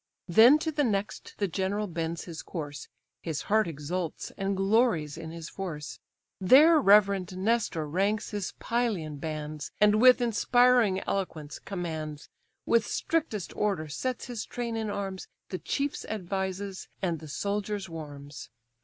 Then to the next the general bends his course; (His heart exults, and glories in his force); There reverend Nestor ranks his Pylian bands, And with inspiring eloquence commands; With strictest order sets his train in arms, The chiefs advises, and the soldiers warms.